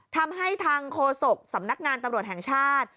ทำให้ทางโฆษกสำนักงานตำรวจแห่งชาติ